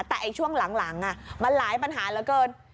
แต่ช่วงหลังมันหลายปัญหาเหลือเกิน